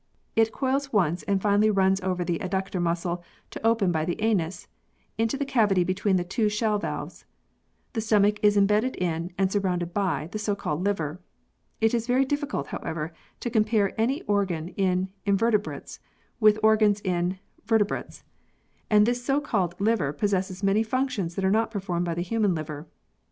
It coils once and finally runs over the adductor muscle to open by the anus into the cavity between the two shell valves. The stomach is embedded in, and surrounded by, the so called liver. It is very difficult, however, to compare any organ in Inverte brates with organs in Vertebrates, and this so called liver possesses many functions that are not performed by the human liver.